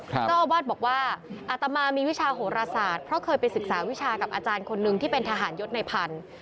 เจ้าอาวาสบอกว่าอาตมามีวิชาโหรศาสตร์เพราะเคยไปศึกษาวิชากับอาจารย์คนนึงที่เป็นทหารยศในพันธุ์